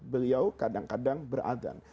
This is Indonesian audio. beliau kadang kadang beradhan